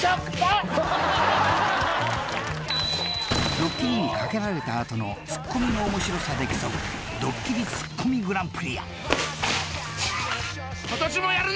［ドッキリにかけられた後のツッコミの面白さで競うドッキリツッコミＧＰや］